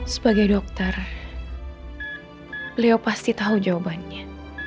sebagai dokter beliau pasti tahu jawabannya